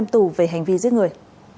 tù về hành vi giết người